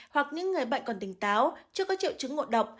hoặc những người bệnh còn tỉnh táo chưa có triệu chứng ngộ độc